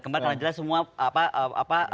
kembar karena jelas semua